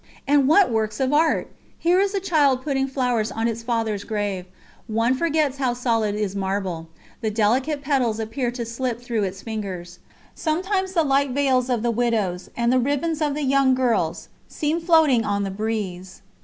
And what works of art! Here is a child putting flowers on its father's grave one forgets how solid is marble the delicate petals appear to slip through its fingers. Sometimes the light veils of the widows, and the ribbons of the young girls, seem floating on the breeze.